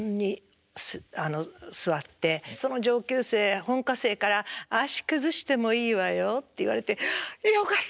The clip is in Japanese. その上級生本科生から「足崩してもいいわよ」って言われて「よかった！」って。